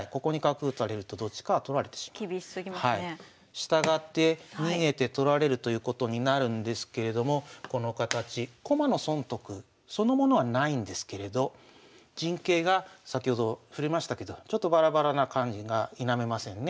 従って逃げて取られるということになるんですけれどもこの形駒の損得そのものはないんですけれど陣形が先ほど触れましたけどちょっとバラバラな感じが否めませんね。